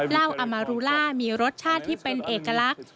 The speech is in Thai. เหล้าอามารูล่ามีรสชาติที่เป็นเอกลักษณ์